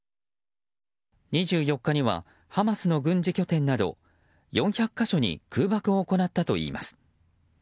２４日にはハマスの軍事拠点など４００か所に空爆を行ったといいます。